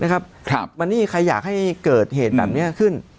ใครอยากให้เกิดเหตุแบบนี้ขึ้น